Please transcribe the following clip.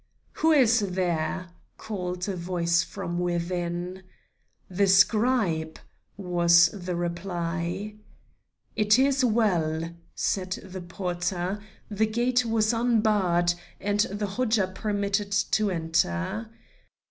"Who is there?" called a voice from within. "The scribe," was the reply. "It is well," said the porter; the gate was unbarred, and the Hodja permitted to enter.